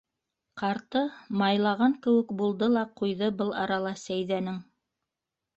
Ҡарты майлаған кеүек булды ла ҡуйҙы был арала Сәйҙәнең.